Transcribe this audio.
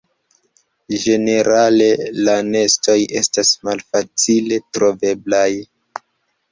Ĝenerale la nestoj estas malfacile troveblaj.